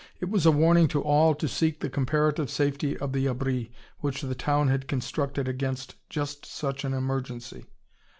It was a warning to all to seek the comparative safety of the abris which the town had constructed against just such an emergency.